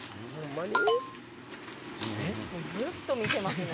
もうずっと見てますね。